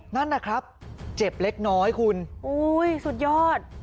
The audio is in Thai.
นั่นนะครับเจ็บเล็กน้อยคุณอุ้ยสุดยอด